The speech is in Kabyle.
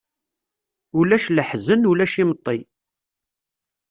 Ulac leḥzen, ulac imeṭṭi.